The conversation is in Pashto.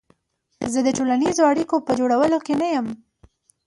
زه د ټولنیزو اړیکو په جوړولو کې نه یم.